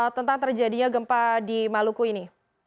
tentang terjadinya gempa di maluku ini